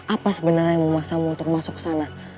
apa sebenarnya yang memaksamu untuk masuk ke sana